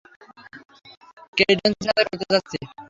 কেইডেন্সের সাথে করতে যাচ্ছি।